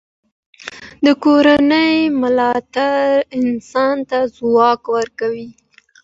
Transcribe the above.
د کورنۍ ملاتړ انسان ته ځواک ورکوي.